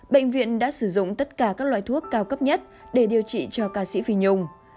bệnh viện đã sử dụng tất cả các loại thuốc cao cấp nhất để điều trị cho ca sĩ phi nhung